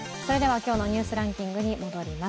今日の「ニュースランキング」に戻ります。